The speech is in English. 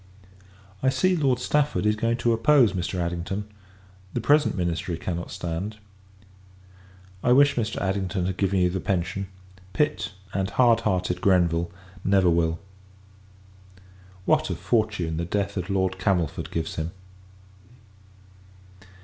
I see, Lord Stafford is going to oppose Mr. Addington; the present ministry cannot stand. I wish Mr. Addington had given you the pension; Pitt, and hard hearted Grenville, never will. What a fortune the death of Lord Camelford gives him!